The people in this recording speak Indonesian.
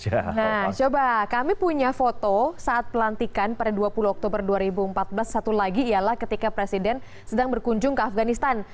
nah coba kami punya foto saat pelantikan pada dua puluh oktober dua ribu empat belas satu lagi ialah ketika presiden sedang berkunjung ke afganistan